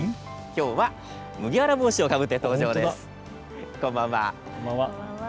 きょうは麦わら帽子をかぶって登場です。